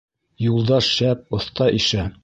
Юлдаш шәп, оҫта ишә.